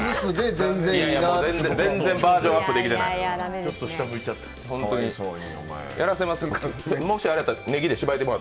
全然バージョンアップできてないわ。